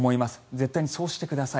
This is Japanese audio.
絶対にそうしてください。